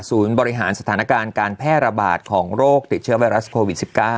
บริหารสถานการณ์การแพร่ระบาดของโรคติดเชื้อไวรัสโควิด๑๙